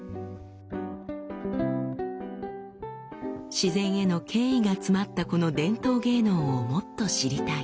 「自然への敬意が詰まったこの伝統芸能をもっと知りたい」。